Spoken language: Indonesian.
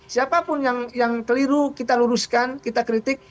siapapun yang keliru kita luruskan kita kritik